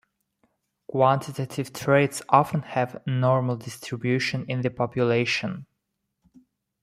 Quantitative traits often have a 'normal' distribution in the population.